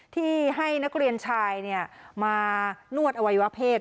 ที่ให้นักเรียนชายมานวดอวัยวะเพศ